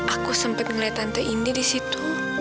aku sempat melihat tante indi di situ